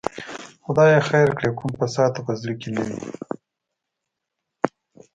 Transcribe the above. خدای خیر کړي، کوم فساد ته په زړه کې نه وي.